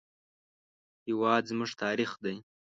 هېواد زموږ تاریخ دی